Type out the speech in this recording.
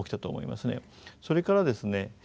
それからですね